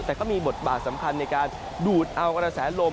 แต่ก็มีบทบาทสำคัญในการดูดเอากระแสลม